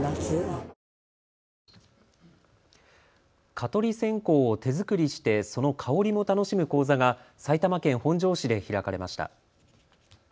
蚊取り線香を手作りしてその香りも楽しむ講座が埼玉県本庄市で開かれました。